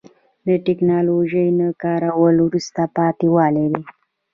د تکنالوژۍ نه کارول وروسته پاتې والی دی.